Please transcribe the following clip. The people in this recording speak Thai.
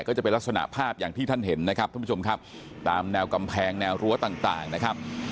ก็จะเป็นลักษณะภาพอย่างที่ท่านเห็นนะครับท่านผู้ชมครับตามแนวกำแพงแนวรั้วต่างนะครับ